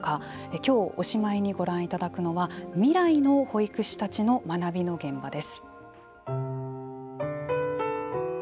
今日おしまいにご覧いただくのは未来の保育士たちの学びの現場です。